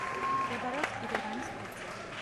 მდებარეობს კიდეგანის ქედზე.